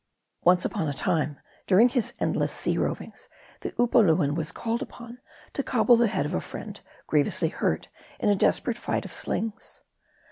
Once upon a time, during "his endless sea rovings, the Upoluan was called upon to cobble the head of a friend, grievously hurt in a desperate fight of slings.